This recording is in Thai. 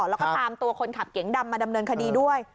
แล้วก็ตามตัวคนขับเก๋งดำมาดำเนินคดีด้วย